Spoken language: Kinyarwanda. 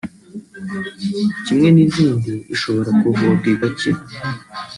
kimwe n’izindi ishobora kuvurwa igakira